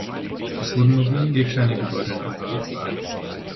Es wurden nur wenige kleine Gebäude nachgewiesen.